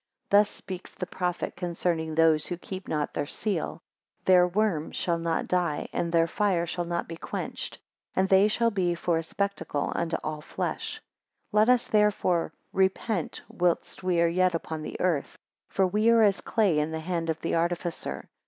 13 Thus speaks the prophet concerning those who keep not their seal; Their worm shall not die, and their, fire shall not be quenched; and they shall be for a spectacle unto all flesh. 14 Let us therefore repent, whilst we are yet upon the earth: for we are as clay in the hand of the artificer.